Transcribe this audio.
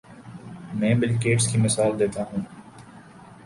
میں Bill Gates کی مثال دیتا ہوں۔